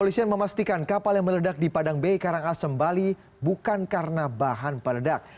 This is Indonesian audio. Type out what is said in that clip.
polisian memastikan kapal yang meledak di padang b karangasem bali bukan karena bahan peledak